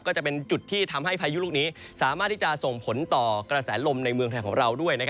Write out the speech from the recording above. ก็จะเป็นจุดที่ทำให้พายุลูกนี้สามารถที่จะส่งผลต่อกระแสลมในเมืองไทยของเราด้วย